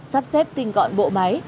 sắp xếp tinh gọn bộ máy